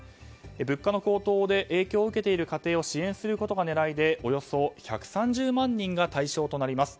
物価の高騰で影響を受けている家庭を支援することが狙いでおよそ１３０万人が対象となります。